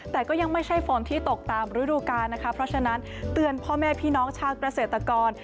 แต่ก็ยังไม่ใช่ฝนที่ตกตามฤดูกาลนะคะเพราะฉะนั้นเตือนพ่อแม่พี่น้องชาวเกษตรกร